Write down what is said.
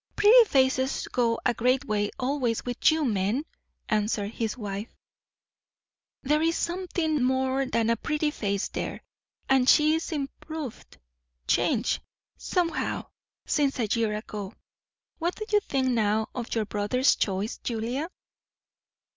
"Pretty faces go a great way always with you men!" answered his wife. "There is something more than a pretty face there. And she is improved changed, somehow since a year ago. What do you think now of your brother's choice, Julia?"